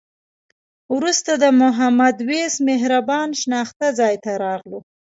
وروسته د محمد وېس مهربان شناخته ځای ته راغلو.